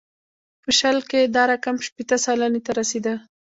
په شل کې دا رقم شپېته سلنې ته رسېده.